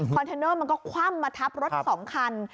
เทนเนอร์มันก็คว่ำมาทับรถ๒คัน